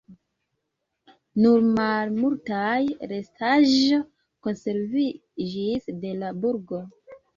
Nur malmultaj restaĵo konserviĝis de la burgo.